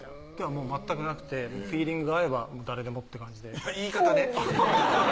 全くなくてフィーリングが合えば誰でもって感じで言い方ね